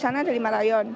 karena ada lima rayon